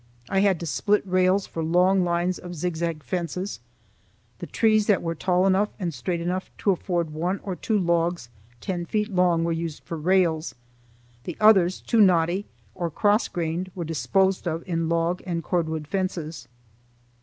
I had to split rails for long lines of zigzag fences. The trees that were tall enough and straight enough to afford one or two logs ten feet long were used for rails, the others, too knotty or cross grained, were disposed of in log and cordwood fences.